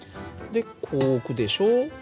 でこう置くでしょ。